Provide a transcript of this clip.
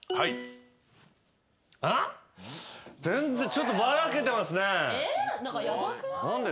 ちょっとばらけてますね。